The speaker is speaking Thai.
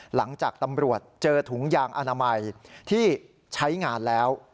หลังจากตำรวจเจอถุงยางอนามัยที่ใช้งานแล้ว